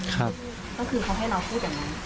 ก็คือเขาให้น้องพูดแบบนั้น